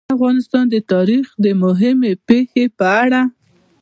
د افغانستان د تاریخ د مهمې پېښې په اړه.